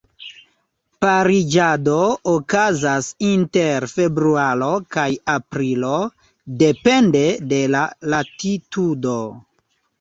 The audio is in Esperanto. Pariĝado okazas inter februaro kaj aprilo, depende de la latitudo.